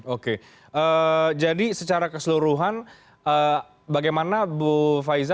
oke jadi secara keseluruhan bagaimana bu faiza